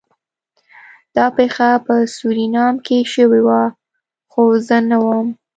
دا پیښه په سورینام کې شوې وه خو زه نه وم